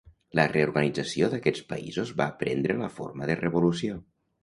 La reorganització d'aquests països va prendre la forma de revolució.